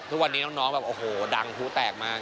ทุกวันนี้น้องแบบโอ้โหดังผู้แตกมาก